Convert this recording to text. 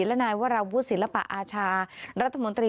และนายวราวุฒิศิลปะอาชารัฐมนตรี